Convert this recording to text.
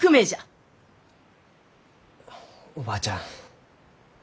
おばあちゃん